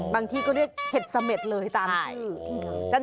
ที่ก็เรียกเห็ดเสม็ดเลยตามชื่อ